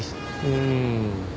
うん。